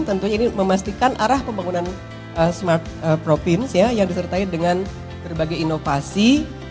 tentunya ini memastikan arah pembangunan smart provinsi yang disertai dengan berbagai inovasi